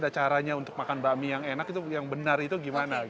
caranya untuk makan bakmi yang enak itu yang benar itu gimana